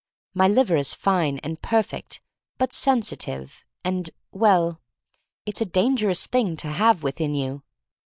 My liver is fine and perfect, but sensitive, and, well — it*s a dangerous thing to have within you.